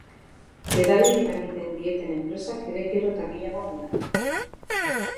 Pedalei eragiten dieten enpresak ere gero eta gehiago dira.